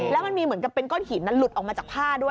แล้วมันมีเหมือนกับเป็นก้อนหินหลุดออกมาจากผ้าด้วย